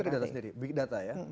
dari data sendiri big data ya